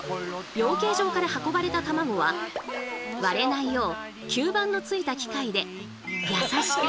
養鶏場から運ばれたたまごは割れないよう吸盤のついた機械で優しく！